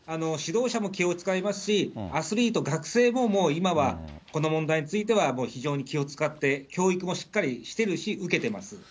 指導者も気を遣いますし、アスリート、学生ももう今は、この問題については、もう非常に気を遣って、教育もしっかりしてるし、受けてます。